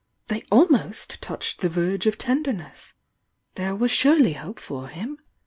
— they almost touched the verge of tenderness! — there was surely hope for him